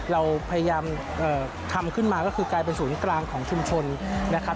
เราพยายามทำขึ้นมาก็คือกลายเป็นศูนย์กลางของชุมชนนะครับ